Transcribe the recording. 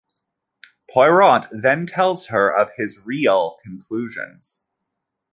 Poirot then tells her of his real conclusions.